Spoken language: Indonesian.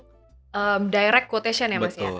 direct quotation ya mas ya